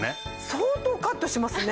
相当カットしますね。